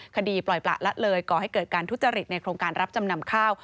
คดีปล่อยประละเลยก่อให้เกิดการทุจริตในโครงการรับจำนำข้าว